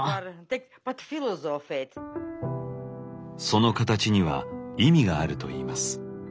その形には意味があるといいます。